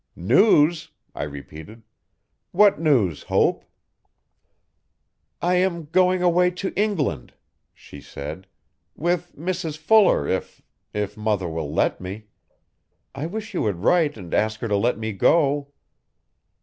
'News!' I repeated. 'What news, I lope? 'I am going away to England,' she said, 'with Mrs Fuller if if mother will let me. I wish you would write and ask her to let me go.